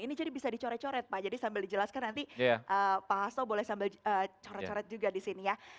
ini jadi bisa dicoret coret pak jadi sambil dijelaskan nanti pak hasto boleh sambil coret coret juga di sini ya